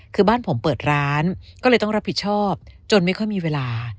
คือบ้านผมเปิดร้านก็เลยต้องรับผิดชอบจนไม่ค่อยมีเวลา